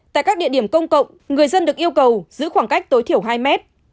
tại các địa điểm công cộng người dân được yêu cầu giữ khoảng cách tối thiểu hai mét